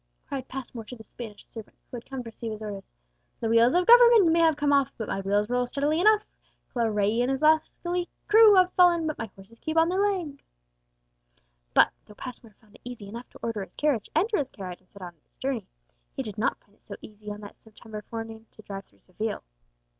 cried Passmore to the Spanish servant who had come to receive his orders. "The wheels of government may have come off, but my wheels roll steadily enough; Claret and his rascally crew have fallen, but my horses keep on their legs!" But though Passmore found it easy enough to order his carriage, enter his carriage, and set out on his journey, he did not find it so easy on that September forenoon to drive through Seville.